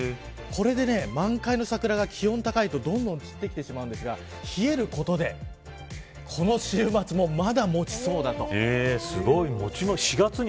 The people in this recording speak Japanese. これで満開の桜が気温が高いと、どんどん散ってきてしまうんですが冷えることでこの週末もまだ持ちそうだと。